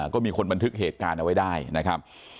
ก็มีคนบันทึกเหตุการณ์เอาไว้ได้นะครับ